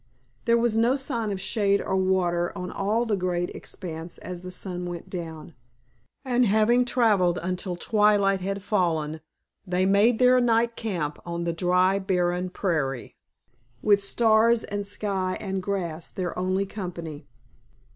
There was no sign of shade or water on all the great expanse as the sun went down, and having traveled until twilight had fallen they made their night camp on the dry, barren prairie, with stars and sky and grass their only company.